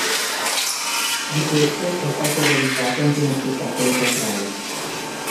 Di questo è stato realizzato anche uno spettacolo teatrale.